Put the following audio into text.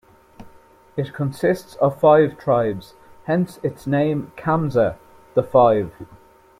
It consists of five tribes, hence its name "Khamseh", "the five".